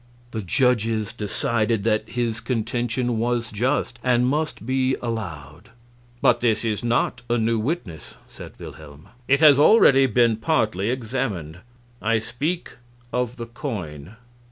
The judges decided that his contention was just and must be allowed. "But this is not a new witness," said Wilhelm. "It has already been partly examined. I speak of the coin."